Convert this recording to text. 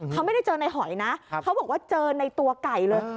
เขาไม่ได้เจอในหอยนะเขาบอกว่าเจอในตัวไก่เลย